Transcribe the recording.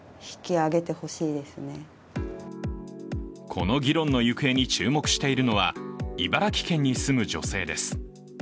この議論の行方に注目しているのは茨城県に住む女性です。